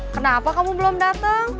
kenapa kamu belum datang